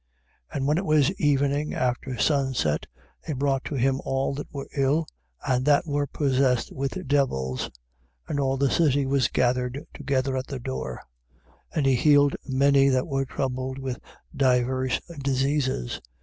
1:32. And when it was evening, after sunset, they brought to him all that were ill and that were possessed with devils. 1:33. And all the city was gathered together at the door. 1:34. And he healed many that were troubled with divers diseases.